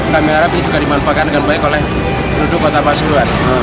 kami harap ini juga dimanfaatkan dengan baik oleh penduduk kota pasuruan